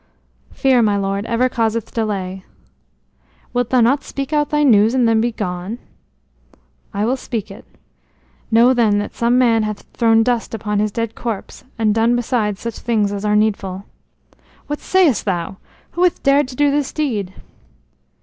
"Fear, my lord, ever causeth delay." "Wilt thou not speak out thy news and then begone?" "I will speak it. Know then that some man hath thrown dust upon this dead corpse, and done besides such things as are needful." "What sayest thou? Who hath dared to do this deed?"